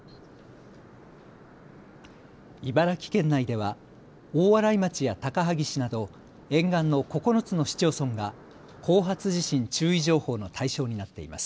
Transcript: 茨城県内では大洗町や高萩市など沿岸の９つの市町村が後発地震注意情報の対象になっています。